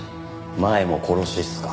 前も殺しっすか。